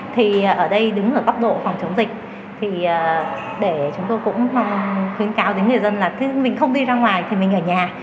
thì ở đây đứng ở góc độ phòng chống dịch thì để chúng tôi cũng khuyến cáo đến người dân là mình không đi ra ngoài thì mình ở nhà